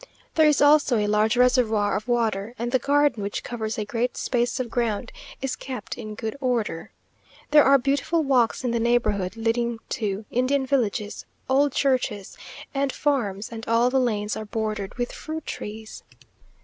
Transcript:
There is also a large reservoir of water, and the garden, which covers a great space of ground, is kept in good order. There are beautiful walks in the neighbourhood, leading to Indian villages, old churches, and farms; and all the lanes are bordered with fruit trees.